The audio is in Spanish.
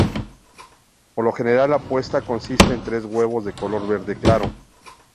Por lo general la puesta consiste en tres huevos de color verde claro.